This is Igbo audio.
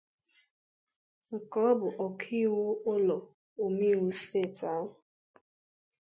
nke ọ bụ ọkaokwu ụlọ omeiwu steeti ahụ